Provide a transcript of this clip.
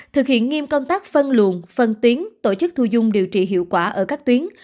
thực hiện nghiêm công tác phân luồn phân tuyến tổ chức thu dung điều trị hiệu quả ở các tuyến